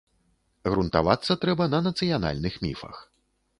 Грунтавацца трэба на нацыянальных міфах.